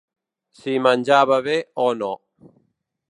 Si menjava bé o no.